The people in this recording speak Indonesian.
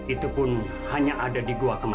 itu pun hanya ada di gua kematian